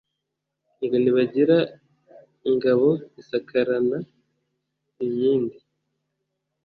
ngo ntibagira ngabo isakarana inkindi